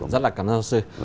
rất là cảm ơn thưa luật sư